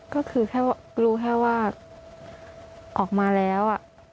ก็คือแค่รู้แค่ว่าออกมาแล้ว